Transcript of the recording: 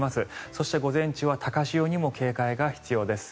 そして、午前中は高潮にも警戒が必要です。